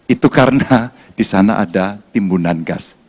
itu karena di sana ada timbunan gas